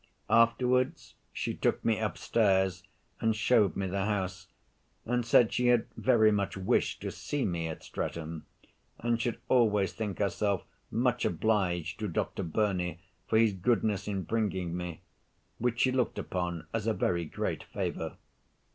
Afterwards she took me up stairs, and showed me the house, and said she had very much wished to see me at Streatham; and should always think herself much obliged to Dr. Burney for his goodness in bringing me, which she looked upon as a very great favor.